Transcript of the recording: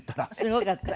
すごかった？